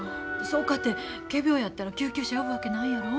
そうかて仮病やったら救急車呼ぶわけないやろ。